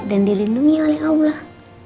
dan dilindungi oleh allah